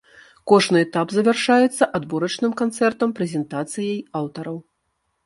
Кожны этап завяршаецца адборачным канцэртам-прэзентацыяй аўтараў.